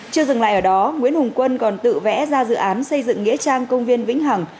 chưa dừng lại ở đó nguyễn hùng quân còn tự vẽ ra dự án xây dựng nghĩa trang công viên vĩnh hằng